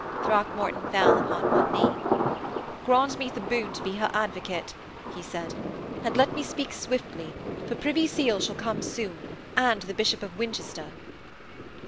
Throckmorton fell upon one knee. 'Grant me the boon to be her advocate,' he said. 'And let me speak swiftly, for Privy Seal shall come soon and the Bishop of Winchester.'